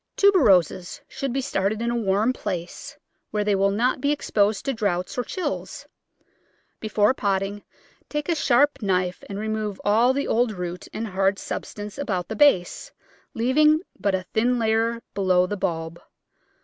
Tuberoses should be started in a warm place where they will not be exposed to draughts or chills. Be fore potting, take a sharp knife and remove all the old root and hard substance about the base, leaving but a thin layer below the bulb.